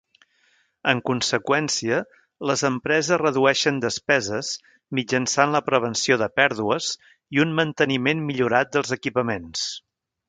En conseqüència, les empreses redueixen despeses mitjançant la prevenció de pèrdues i un manteniment millorat dels equipaments.